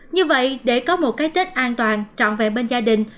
như vậy để có một cái tết an toàn trọn vẹn bên gia đình